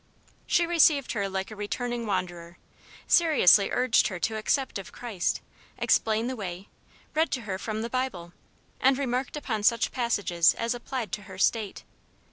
She received her like a returning wanderer; seriously urged her to accept of Christ; explained the way; read to her from the Bible, and remarked upon such passages as applied to her state.